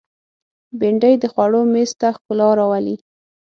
بېنډۍ د خوړو مېز ته ښکلا راولي